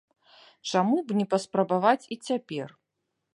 Чаму б не паспрабаваць і цяпер?